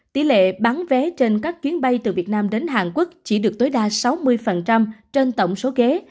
tỷ lệ bán vé trên các chuyến bay từ việt nam đến hàn quốc chỉ được tối đa sáu mươi trên tổng số ghế